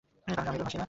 কারন আমি ভাসি না।